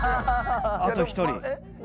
あと１人。